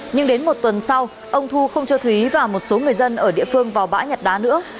nhưng đến một tuần sau ông thu không cho thúy và một số người dân ở địa phương vào bãi nhặt đá nữa